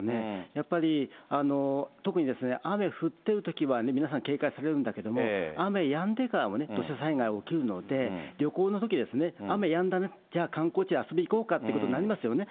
やっぱり特にですね、雨降っているときはね、皆さん、警戒されるんだけども、雨やんでからもね、土砂災害起きるので、旅行のときですね、雨やんだね、じゃあ、観光地遊びに行こうかということになりますよね。